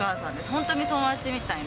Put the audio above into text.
本当に友達みたいな。